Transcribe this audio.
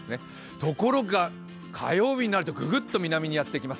ところが火曜日になるとググッと南にやってきます。